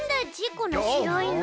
このしろいの。